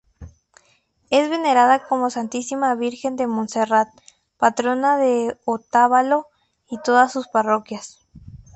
Es venerada como: Santísima Virgen de Monserrat, Patrona de Otavalo y todas sus parroquias.